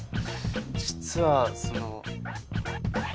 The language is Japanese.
実はその僕。